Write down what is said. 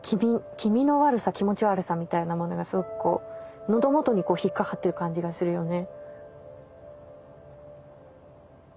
気味の悪さ気持ち悪さみたいなものがすごくこう喉元に引っ掛かってる感じがするよね。